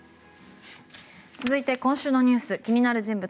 続いて、今週のニュース気になる人物